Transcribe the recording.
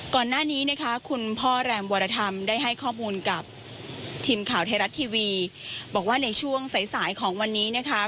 ก่อนหน้านี้นะคะคุณพ่อแรมวรธรรมได้ให้ข้อมูลกับทีมข่าวไทยรัฐทีวีบอกว่าในช่วงสายสายของวันนี้นะคะ